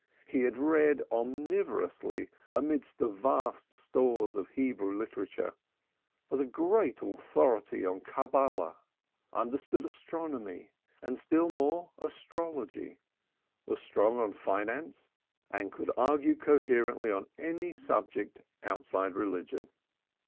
He had read omnivorously amid the vast stores of Hebrew literature, was a great authority on Cabalah, understood astronomy, and, still more, astrology, was strong on finance, and could argue coherently on any subject outside religion.